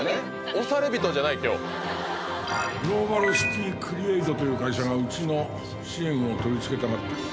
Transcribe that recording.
推され人じゃない今日「グローバルシティクリエイトという会社がうちの支援を取り付けたがってる」